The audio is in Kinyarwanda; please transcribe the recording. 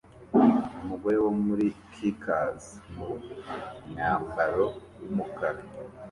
Umugore wo muri Caucase Mu mwambaro wumukara